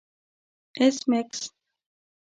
ایس میکس